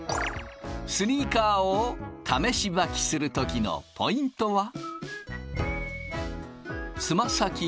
スニーカーを試し履きする時のポイントは。